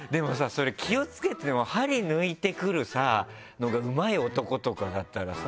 それ気を付けてても針抜いてくるのがうまい男とかだったらさ